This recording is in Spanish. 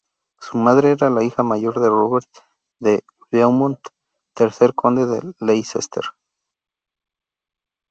Su madre era la hija mayor de Robert de Beaumont, tercer conde de Leicester.